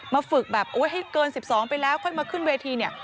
ฝึกแบบโอ๊ยให้เกิน๑๒ไปแล้วค่อยมาขึ้นเวทีเนี่ย